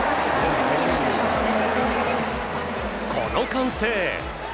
この歓声。